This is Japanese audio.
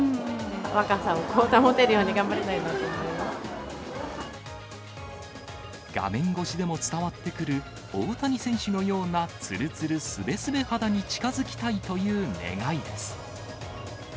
若さを保てるように、頑張り画面越しでも伝わってくる、大谷選手のようなつるつる、すべすべ肌に近づきたいという願いです。